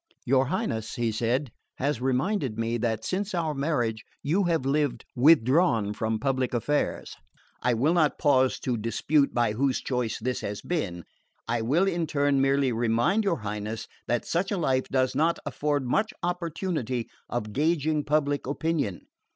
"Your Highness," he said, "has reminded me that since our marriage you had lived withdrawn from public affairs. I will not pause to dispute by whose choice this has been; I will in turn merely remind your Highness that such a life does not afford much opportunity of gauging public opinion."